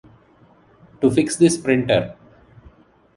To fix this printer.